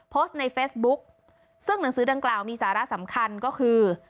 โพสต์ในเฟซบุ๊กซึ่งหนังสือดังกล่าวมีสาระสำคัญก็คือ